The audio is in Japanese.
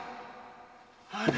あれ？